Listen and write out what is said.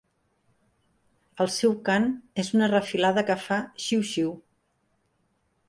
El seu cant és una refilada que fa "xiu xiu".